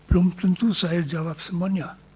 belum tentu saya jawab semuanya